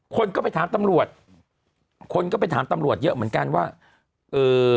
คนก็ไปถามตำรวจคนก็ไปถามตำรวจเยอะเหมือนกันว่าเอ่อ